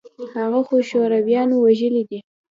هغه خو شورويانو وژلى دى.